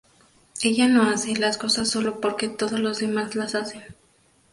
Ella no hace las cosas solo por que todos los demás las hacen.